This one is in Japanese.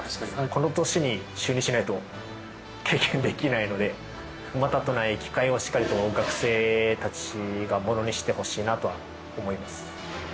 この年に就任しないと経験できないので、またとない機会を、しっかりと学生たちがものにしてほしいなとは思います。